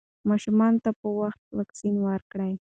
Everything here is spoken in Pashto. ماشومانو ته په وخت واکسین ورکړئ.